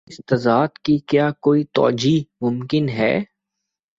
اس تضاد کی کیا کوئی توجیہہ ممکن ہے؟